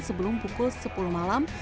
sebelum pukul sepuluh malam